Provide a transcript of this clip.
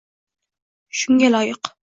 sunga loyiq.